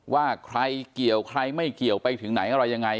ว่าใครเกี่ยวใครไม่เกี่ยวไปถึงไหนอะไรยังไง